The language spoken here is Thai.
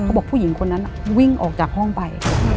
บอกผู้หญิงคนนั้นวิ่งออกจากห้องไป